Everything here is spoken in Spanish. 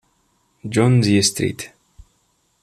John's y St.